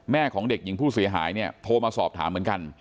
ของเด็กหญิงผู้เสียหายเนี่ยโทรมาสอบถามเหมือนกัน